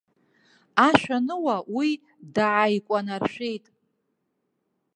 Ашәануа уи дааикәанаршәеит.